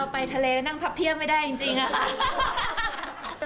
ไปทะเลนั่งพับเพียบไม่ได้จริงอะค่ะ